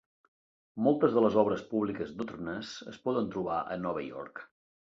Moltes de les obres públiques d'Otterness es poden trobar a Nova York.